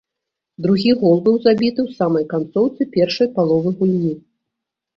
Другі гол быў забіты ў самай канцоўцы першай паловы гульні.